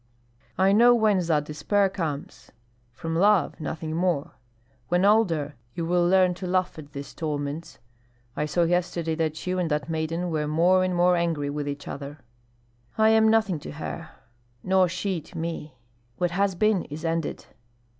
"I know whence that despair comes. From love, nothing more. When older, you will learn to laugh at these torments. I saw yesterday that you and that maiden were more and more angry with each other." "I am nothing to her, nor she to me. What has been is ended."